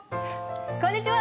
こんにちは！